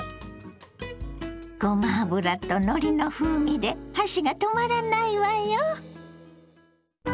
ごま油とのりの風味で箸が止まらないわよ！